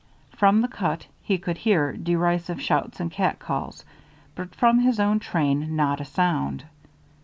From the cut he could hear derisive shouts and cat calls, but from his own train not a sound.